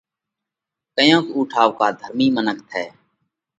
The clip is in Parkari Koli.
ڪيونڪ اُو ٺائُوڪا ڌرمِي منک ٿئه۔